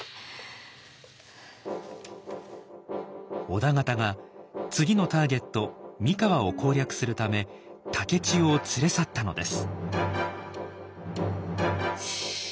織田方が次のターゲット三河を攻略するため竹千代を連れ去ったのです。